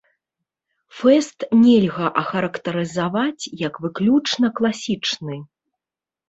Фэст нельга ахарактарызаваць як выключна класічны.